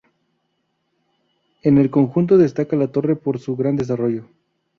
En el conjunto destaca la torre por su gran desarrollo.